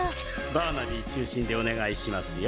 バーナビー中心でお願いしますよ。